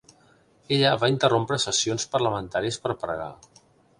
Ella va interrompre sessions parlamentàries per pregar.